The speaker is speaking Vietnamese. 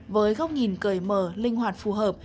với góc nhìn cười mờ linh hoạt phù hợp